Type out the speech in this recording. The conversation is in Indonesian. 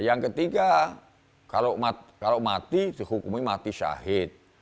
yang ketiga kalau mati dihukumi mati syahid